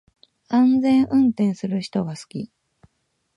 安全運転する人が好き